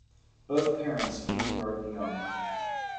Both parents feed and guard the young.